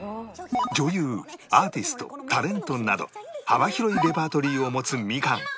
女優アーティストタレントなど幅広いレパートリーを持つみかん